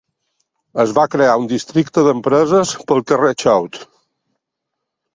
Es va crear un districte d'empreses pel carrer Choate.